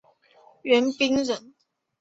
袁彬人。